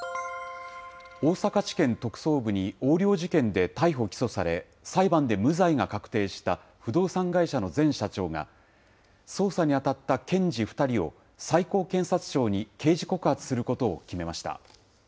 大阪地検特捜部に、横領事件で逮捕・起訴され、裁判で無罪が確定した不動産会社の前社長が、捜査に当たった検事２人を最高検察庁に刑事告発することを決めました。